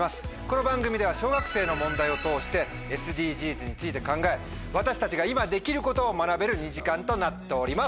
この番組では小学生の問題を通してＳＤＧｓについて考え私たちが今できることを学べる２時間となっております。